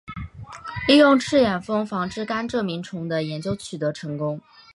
利用赤眼蜂防治甘蔗螟虫的研究取得成功。